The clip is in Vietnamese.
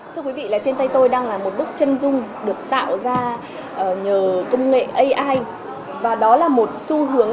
thưa quý vị trên tay tôi đang là một bức chân dung được tạo ra nhờ công nghệ ai và đó là một xu hướng